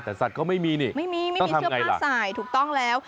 แต่สัตว์ก็ไม่มีนี่ต้องทำอย่างไรล่ะไม่มีเสื้อผ้าใส่ถูกต้องแล้ว